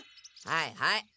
はいはい！